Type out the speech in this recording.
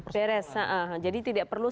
beres jadi tidak perlu